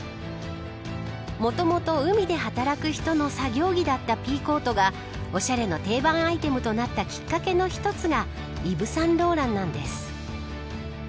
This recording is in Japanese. もともと海で働く人の作業着だったピーコートがおしゃれの定番アイテムとなったきっかけの一つがイヴ・サンローランなんです。